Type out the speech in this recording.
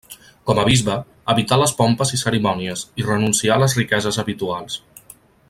Com a bisbe, evità les pompes i cerimònies, i renuncià a les riqueses habituals.